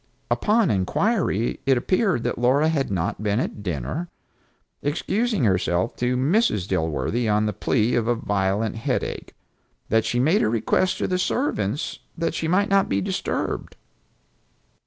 Upon inquiry it appeared that Laura had not been at dinner, excusing herself to Mrs. Dilworthy on the plea of a violent headache; that she made a request to the servants that she might not be disturbed.